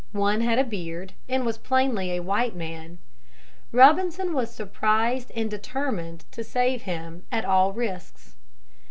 One had a beard and was plainly a white man. Robinson was surprised and determined to save him at all risks.